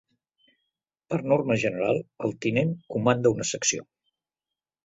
Per norma general el tinent comanda una secció.